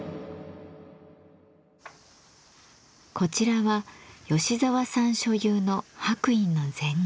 こちらは芳澤さん所有の白隠の禅画。